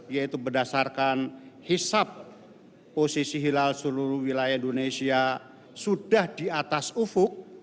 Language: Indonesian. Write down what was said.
yaitu berdasarkan hisap posisi hilal seluruh wilayah indonesia sudah di atas ufuk